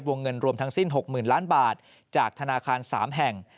เงินรวมทั้งสิ้น๖๐๐๐ล้านบาทจากธนาคาร๓แห่ง